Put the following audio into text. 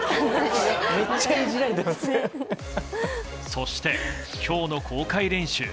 そして、今日の公開練習。